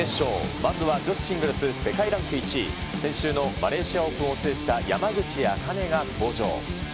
まずは女子シングルス世界ランク１位、先週のマレーシアオープンを制した山口茜が登場。